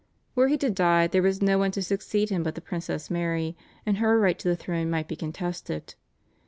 Were he to die there was no one to succeed him but the Princess Mary, and her right to the throne might be contested.